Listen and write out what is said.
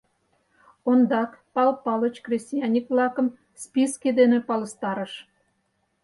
Ондак Пал Палыч кресаньык-влакым списке дене палыстарыш.